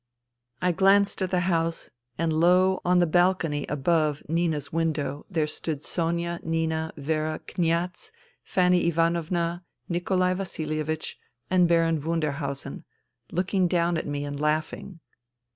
I glanced at the house, and lo 1 on the balcony above Nina's window there stood Sonia, Nina, Vera, Kniaz, Fanny Ivanovna, Nikolai Vasilievich, and Baron Wunderhausen, looking down at me and laughing.